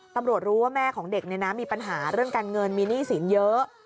ตำรวจรู้ว่าแม่ของเด็กมีปัญหาเรื่องการเงินมีหนี้สินเยอะ